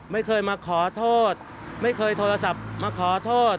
ไม่เคยมาขอโทษไม่เคยโทรศัพท์มาขอโทษ